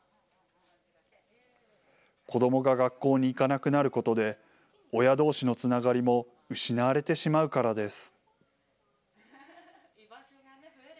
子どもが学校に行かなくなることで、親どうしのつながりも失われてしまうからです。